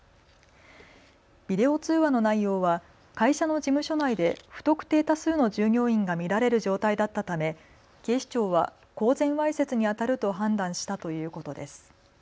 ビデオ通話の内容は会社の事務所内で不特定多数の従業員が見られる状態だったため警視庁は公然わいせつにあたると判断したということです。